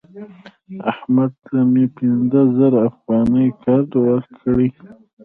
احمد ته مې پنځه زره افغانۍ قرض ورکړی